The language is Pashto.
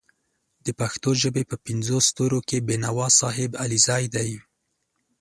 د پښتو ژبې په پینځو ستورو کې بېنوا صاحب علیزی دی